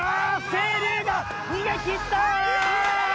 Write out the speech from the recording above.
成龍が逃げきった！